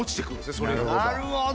それがなるほど！